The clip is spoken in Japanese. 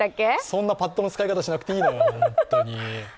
そんなパッドの使い方しなくていいんですよ。